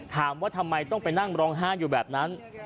ถามว่าทำไมต้องไปนั่งร้องไห้อยู่แบบนั้น